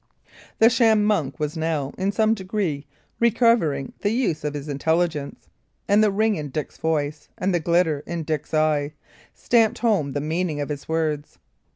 The sham monk was now, in some degree, recovering the use of his intelligence; and the ring in Dick's voice, and the glitter in Dick's eye, stamped home the meaning of his words.